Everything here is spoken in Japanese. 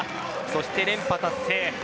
そして連覇達成です。